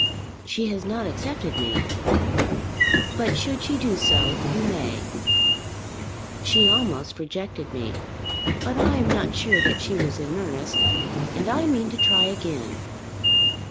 "She has not accepted me." "But should she do so, you may." "She almost rejected me. But I am not sure that she was in earnest, and I mean to try again."